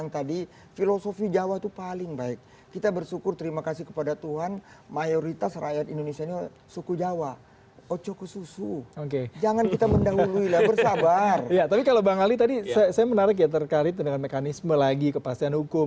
tapi kalau bang ali tadi saya menarik ya terkait dengan mekanisme lagi kepastian hukum